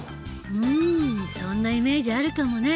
うんそんなイメージあるかもね。